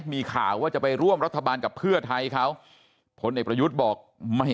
มีข่าวว่าจะไปร่วมรัฐบาลกับเพื่อไทยเขาพลเอกประยุทธ์บอกไม่